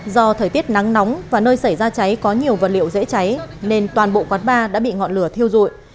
do thời tiết nắng nóng và nơi xảy ra cháy có nhiều vật liệu dễ cháy nên toàn bộ quán bar đã bị ngọn lửa thiêu rụi